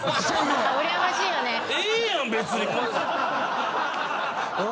ええやん別に。